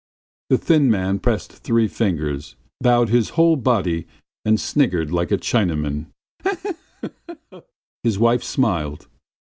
The thin man pressed three fingers, bowed his whole body and sniggered like a Chinaman: "He he he!" His wife smiled.